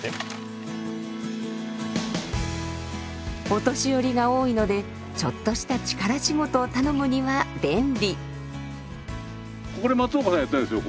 お年寄りが多いのでちょっとした力仕事を頼むには便利。